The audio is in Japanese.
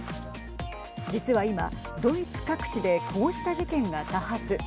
実は今、ドイツ各地でこうした事件が多発。